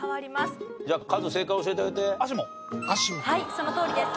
そのとおりです。